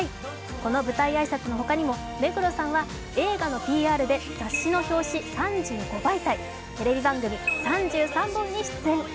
この舞台挨拶の他にも目黒さんは映画のＰＲで雑誌の取材３５媒体、テレビ番組３３本出演。